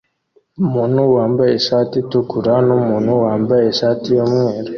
Umuntu wambaye ishati itukura numuntu wambaye ishati yumweru